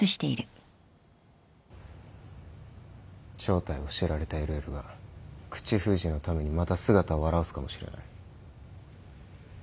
正体を知られたＬＬが口封じのためにまた姿を現すかもしれない。